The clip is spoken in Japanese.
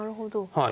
はい。